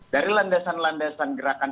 dari landasan landasan gerakan